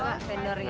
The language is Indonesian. atau fendor ya